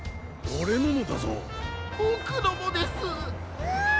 ボクのもです。わ！